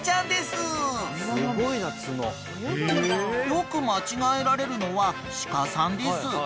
［よく間違えられるのは鹿さんです］